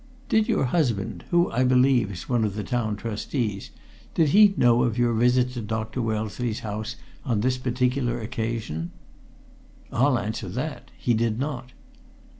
"Did your husband who, I believe, is one of the Town Trustees did he know of your visit to Dr. Wellesley's house on this particular occasion?" "I'll answer that! He did not."